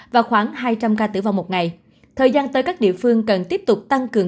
và khoảng hai trăm linh ca tử vong một ngày thời gian tới các địa phương cần tiếp tục tăng cường